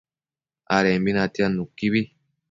adembi natiad nuquibi